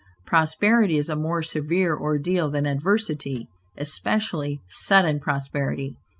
Prosperity is a more severe ordeal than adversity, especially sudden prosperity.